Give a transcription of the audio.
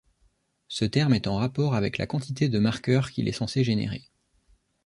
Ce terme est en rapport avec la quantité de marqueurs qu'il est censé générer.